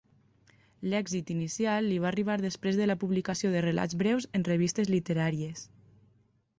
L'èxit inicial li va arribar després de la publicació de relats breus en revistes literàries.